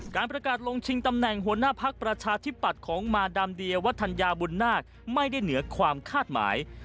การประกาศลงชิงตำแหน่งหัวหน้าพักประชาธิปัตย์ของมาดามเดียวัฒนยาบุญนาคไม่ได้เหนือความคาดหมาย